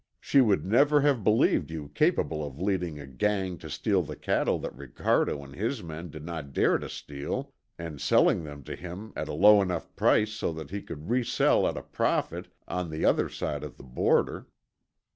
She would never have believed you capable of leading a gang to steal the cattle that Ricardo and his men did not dare to steal, and selling them to him at a low enough price so that he could resell at a profit on the other side of the border.